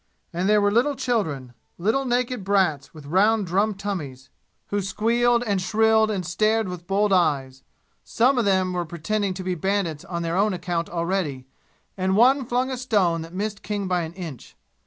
And there were little children little naked brats with round drum tummies, who squealed and shrilled and stared with bold eyes; some of them were pretending to be bandits on their own account already, and one flung a stone that missed King by an inch.